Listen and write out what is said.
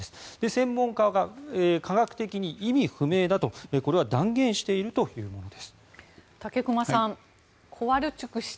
専門家が科学的に意味不明だとこれは断言しているというものです。